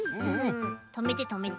とめてとめて。